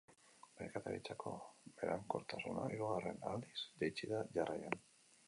Merkataritzako berankortasuna hirugarren aldiz jaitsi da jarraian.